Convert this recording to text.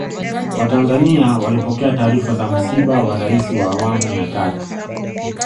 watanzania walipokea taarifa za msiba wa raisi wa awamu ya tatu